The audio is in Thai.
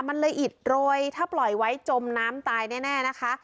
มันเลยอิดโรยถ้าปล่อยไว้จมน้ำตายแน่นะคะ